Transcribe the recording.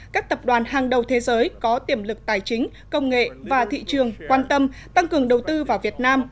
các tập đoàn hàng đầu thế giới có tiềm lực tài chính công nghệ và thị trường quan tâm tăng cường đầu tư vào việt nam